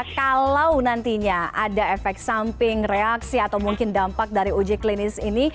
kalau nantinya ada efek samping reaksi atau mungkin dampak dari uji klinis ini